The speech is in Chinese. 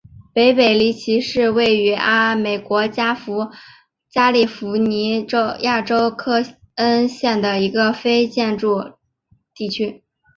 北贝里奇是位于美国加利福尼亚州克恩县的一个非建制地区。